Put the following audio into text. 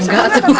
ya nggak tuh